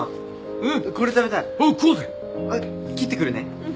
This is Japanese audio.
うん。